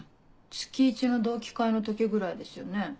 月１の同期会の時ぐらいですよね。